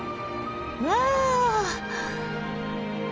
わあ！